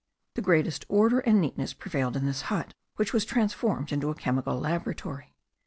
The greatest order and neatness prevailed in this hut, which was transformed into a chemical laboratory.